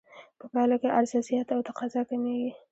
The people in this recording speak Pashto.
په پایله کې عرضه زیاته او تقاضا کمېږي